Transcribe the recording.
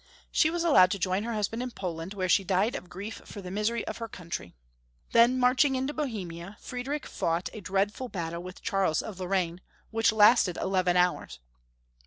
She was al lowed to join her husband in Poland, where she died of grief for the misery of her country. Then marching into Bohemia, Friedrich fought a dreadful battle with Charles of Lorraine, which lasted eleven hours.